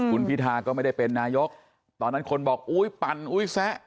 คุณพิธาก็ไม่ได้เป็นนายกตอนนั้นคนบอกอุ๊ยปั่นอุ๊ยแซะ